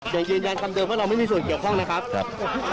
ยังยืนยันคำเดิมว่าเราไม่มีส่วนเกี่ยวข้องนะครับ